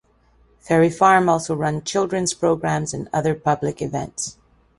Ferry Farm also runs children's programs and other public events.